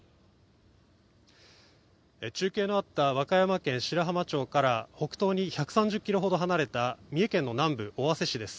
中継のあった和歌山県白浜町から北東に１３０キロほど離れた三重県の南部・尾鷲市です。